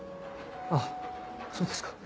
あっそうですか。